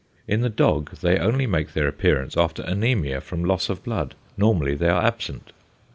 In the dog they only make their appearance after anæmia from loss of blood, normally they are absent.